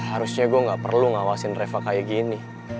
harusnya gue gak perlu ngawasin reva kayak gini